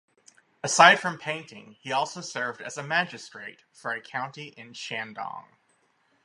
Aside from painting he also served as a magistrate for a county in Shandong.